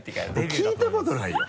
聞いたことないよ！